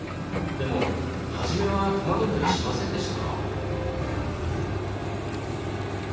でも初めは戸惑ったりしませんでしたか？